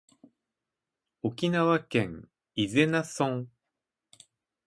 沖縄県伊是名村